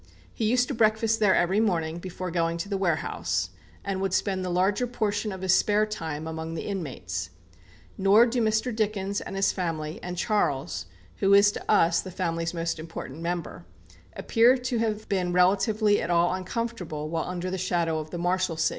He used to breakfast there every morning, before going to the warehouse, and would spend the larger portion of his spare time among the inmates. Nor do Mr. Dickens and his family, and Charles, who is to us the family's most important member, appear to have been relatively at all uncomfortable while under the shadow of the Marshalsea.